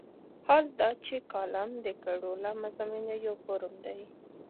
حال دا چې کالم د ګډوله مضامینو یو فورم دی.